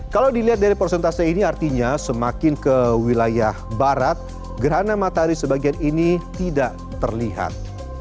kalau dilihat dari persentase ini artinya semakin ke wilayah barat gerhana matahari sebagian ini tidak terlihat